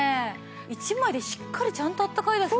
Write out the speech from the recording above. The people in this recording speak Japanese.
１枚でしっかりちゃんとあったかいですもんね。